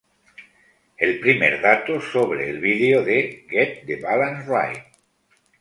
El primer dato sobre el vídeo de '"Get the Balance Right!